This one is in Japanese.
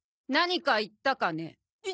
何か言ったかね？